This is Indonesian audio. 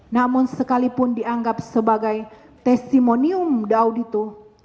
namun sekalipun dianggap sebagai testimonium daudito